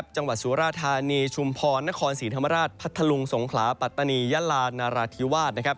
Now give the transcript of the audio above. สุราธานีชุมพรนครศรีธรรมราชพัทธลุงสงขลาปัตตานียาลานราธิวาส